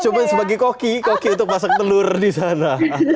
cuma sebagai koki koki untuk masak telur di sana